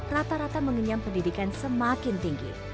rata rata mengenyam pendidikan semakin tinggi